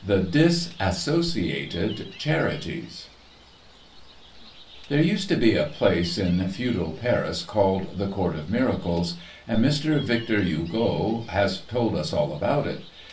*The Dis Associated Charities* There used to be a place in feudal Paris called the Court of Miracles, and Mister Victor Hugo has told us all about it.